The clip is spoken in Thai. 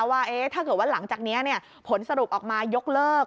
ว่าถ้าเกิดว่าหลังจากนี้ผลสรุปออกมายกเลิก